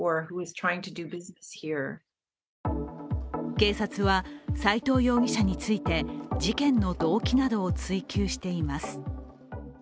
警察は、斉藤容疑者について事件の動機などを追及しています。